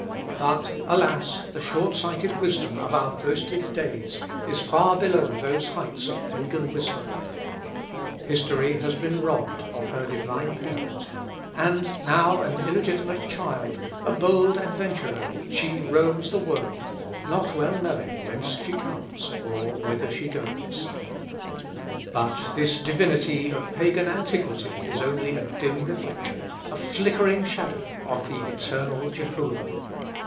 But, alas! the short sighted wisdom of our boasted days is far below those heights of Pagan wisdom. History has been robbed of her divine parent, and now an illegitimate child, a bold adventurer, she roams the world, not well knowing whence she comes, or whither she goes. From ζαω, I live. But this divinity of Pagan antiquity is only a dim reflection, a flickering shadow of the Eternal Jehovah.